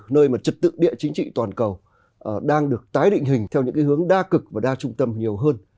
nơi mà trật tự địa chính trị toàn cầu đang được tái định hình theo những cái hướng đa cực và đa trung tâm nhiều hơn